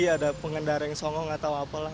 ada pengendara yang songong atau apalah